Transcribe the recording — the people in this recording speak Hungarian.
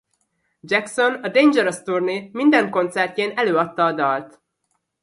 Jackson a Dangerous turné minden koncertjén előadta a dalt.